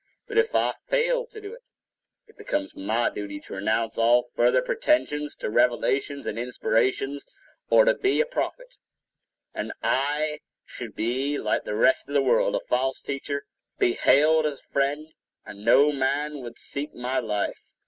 But if I fail to do it, it becomes my duty to renounce all further pretensions to revelations and inspirations, or to be a prophet; and I should be like the rest of the world—a false teacher, be hailed as a friend, and no man would seek my life.